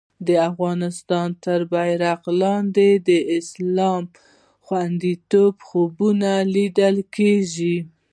د افغانستان تر بېرغ لاندې د اسلام د خوندیتوب خوبونه لیدل کېږي.